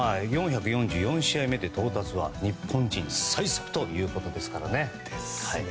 ４４４試合目の到達は日本人最速ということですからね。